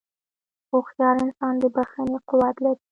هوښیار انسان د بښنې قوت لري.